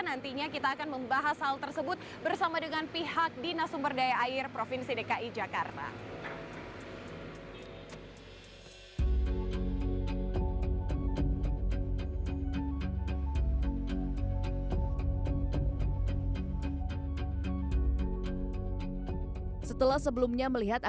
nantinya kita akan membahas hal tersebut bersama dengan pihak dinas sumber daya air provinsi dki jakarta